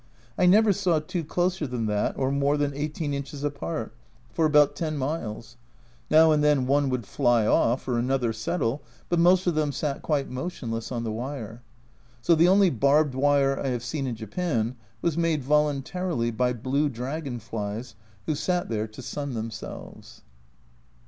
I never saw two closer than that, or more than 18 inches apart, for 46 A Journal from Japan about 10 miles ! Now and then one would fly off, or another settle, but most of them sat quite motion less on the wire. So the only " barbed wire" I have seen in Japan was made voluntarily by blue dragon flies who sat there to sun themselves.